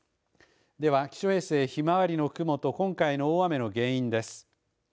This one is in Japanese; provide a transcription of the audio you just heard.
では気象衛星ひまわりの雲と今回の大雨の原因です。